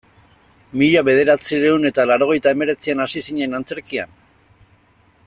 Mila bederatziehun eta laurogeita hemeretzian hasi zinen antzerkian?